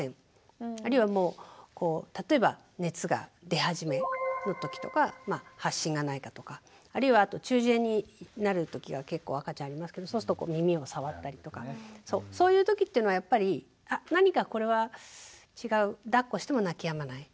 あるいはもう例えば熱が出始めのときとか発疹がないかとかあるいは中耳炎になるときが結構赤ちゃんありますけどそうすると耳を触ったりとかそういうときっていうのはやっぱり何かこれは違うだっこしても泣きやまない